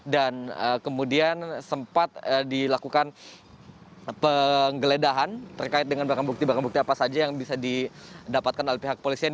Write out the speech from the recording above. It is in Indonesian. dan kemudian sempat dilakukan penggeledahan terkait dengan barang bukti barang bukti apa saja yang bisa didapatkan oleh pihak polisian